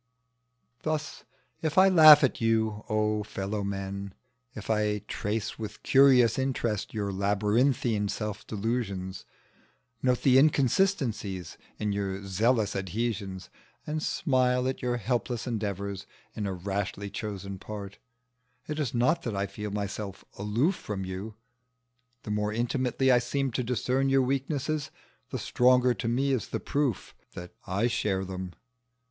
Thus if I laugh at you, O fellow men! if I trace with curious interest your labyrinthine self delusions, note the inconsistencies in your zealous adhesions, and smile at your helpless endeavours in a rashly chosen part, it is not that I feel myself aloof from you: the more intimately I seem to discern your weaknesses, the stronger to me is the proof that I share them.